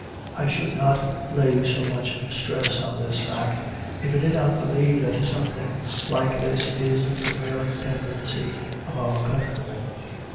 I should not lay so much stress on this fact, if I did not believe that something like this is the prevailing tendency of my countrymen.